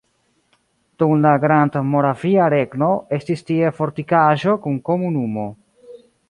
Dum la Grandmoravia Regno estis tie fortikaĵo kun komunumo.